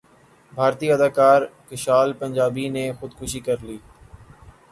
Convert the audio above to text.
بھارتی اداکار کشال پنجابی نے خودکشی کرلی